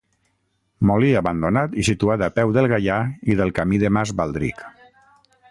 Molí abandonat i situat a peu del Gaià i del camí de Mas Baldric.